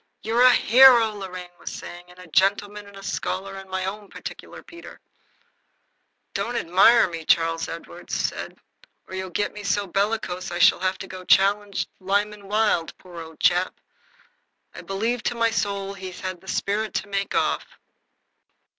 "You're a hero," Lorraine was saying, "and a gentleman and a scholar and my own particular Peter." "Don't admire me," said Charles Edward, "or you'll get me so bellicose I shall have to challenge Lyman Wilde. Poor old chap! I believe to my soul he's had the spirit to make off."